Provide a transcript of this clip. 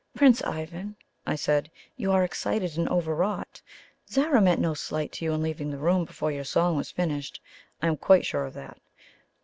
"Prince Ivan," I said, "you are excited and overwrought. Zara meant no slight to you in leaving the room before your song was finished. I am quite sure of that.